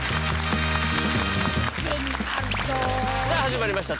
さあ始まりました